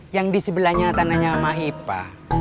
yang disebelahnya tanahnya mahipa